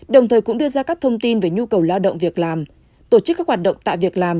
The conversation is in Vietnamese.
đồng thời cũng đưa ra các thông tin về nhu cầu lao động việc làm tổ chức các hoạt động tạo việc làm